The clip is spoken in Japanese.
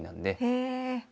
へえ。